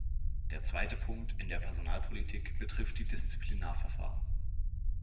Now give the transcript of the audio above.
Der zweite Punkt in der Personalpolitik betrifft die Disziplinarverfahren.